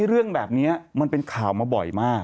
เรื่องแบบนี้มันเป็นข่าวมาบ่อยมาก